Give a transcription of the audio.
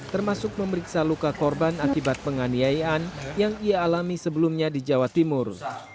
termasuk memeriksa luka korban akibat penganiayaan yang ia alami sebelumnya di jawa timur